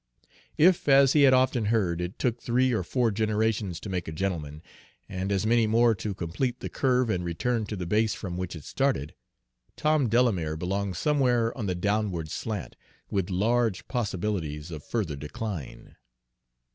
If, as he had often heard, it took three or four generations to make a gentleman, and as many more to complete the curve and return to the base from which it started, Tom Delamere belonged somewhere on the downward slant, with large possibilities of further decline.